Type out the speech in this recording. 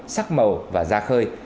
sắc màu và da khơi